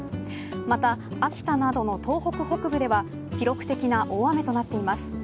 また秋田などの東北北部では記録的な大雨となっています。